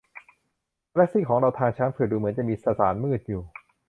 กาแลคซีของเราทางช้างเผือกดูเหมือนจะมีสสารมืดอยู่